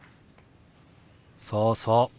そうそう。